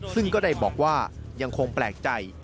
ซึ่งก็ได้บอกว่ายังคงแปลกใจ